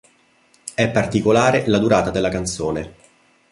È particolare la durata della canzone.